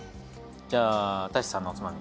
じゃあ太一さんのおつまみ。